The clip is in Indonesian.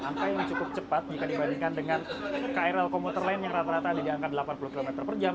angka yang cukup cepat jika dibandingkan dengan krl komuter lain yang rata rata ada di angka delapan puluh km per jam